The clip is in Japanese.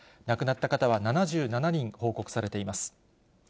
亡くなった方は７７人報告されています。